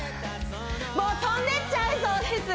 もう飛んでっちゃいそうです